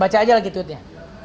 baca aja lagi tweetnya